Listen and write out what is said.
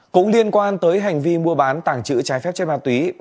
cũng liên quan tới hành vi mua bán tảng chữ trái phép trên ma túy